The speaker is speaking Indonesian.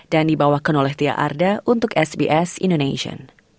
dan dibawakan oleh tia arda untuk sbs indonesia